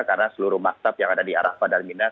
karena seluruh maksab yang ada di arafat dan minas